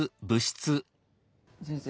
先生